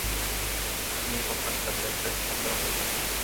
তুমি এই কোম্পানির কাছে একটা স্তম্ভের মতো।